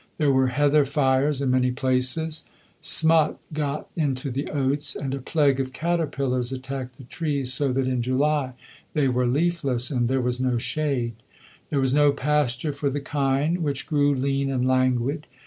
There were heather fires in many places; smut got into the oats, and a plague of caterpillars attacked the trees so that in July they were leafless, and there was no shade. There was no pasture for the kine, which grew lean and languid.